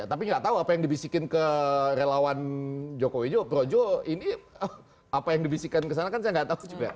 karena saya tidak tahu apa yang dibisikin ke relawan jokowi projo ini apa yang dibisikin kesana kan saya tidak tahu juga